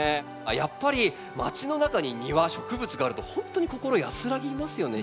やっぱりまちの中に庭植物があるとほんとに心安らぎますよね